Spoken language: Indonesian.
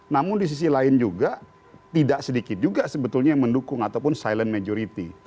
namun di sisi lain juga tidak sedikit juga sebetulnya yang mendukung ataupun silent majority